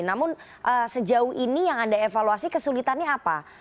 namun sejauh ini yang anda evaluasi kesulitannya apa